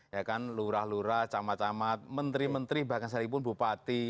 ya kan lurah lurah camat camat menteri menteri bahkan sekalipun bupati